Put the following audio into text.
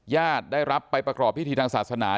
ญาติได้รับไปประกอบพิธีทางศาสนา